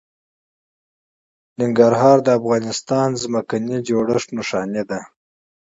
ننګرهار د افغانستان د ځمکې د جوړښت نښه ده.